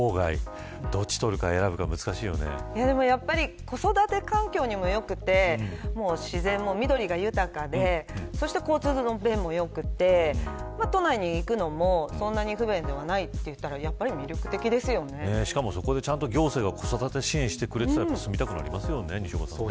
だけど子育てを考えると郊外やはり子育て環境にも良くて自然も、緑が豊かでそうした交通の便も良くて都内に行くのもそんなに不便ではないといったらしかもそこで、行政が子育て支援してくれていたら住みたくなりますよね。